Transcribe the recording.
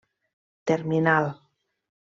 Terminal: